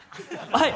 「はい」。